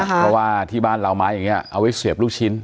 เพราะว่าที่บ้านเราไม้อย่างนี้เอาไว้เสียบลูกชิ้น